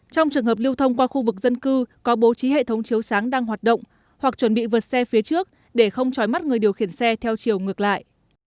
trong trường hợp lưu thông qua khu vực dân cư có bố trí hệ thống chiếu sáng đang hoạt động hoặc chuẩn bị vượt xe phía trước để không trói mắt người điều khiển xe theo chiều ngược lại